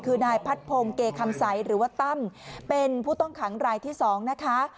คือนายพัดพงศ์เกคำใสหรือว่าตั้มเป็นผู้ต้องขังรายที่๒นะคะ